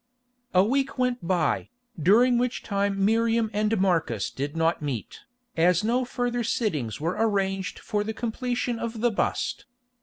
A week went by, during which time Miriam and Marcus did not meet, as no further sittings were arranged for the completion of the bust.